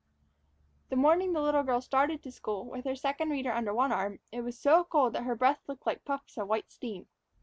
The morning the little girl started to school, with her Second Reader under one arm, it was so cold that her breath looked like puffs of white steam.